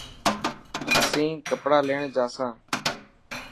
اسين ڪپڙا ليڻ جا سان.